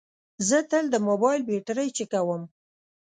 زه تل د موبایل بیټرۍ چیکوم.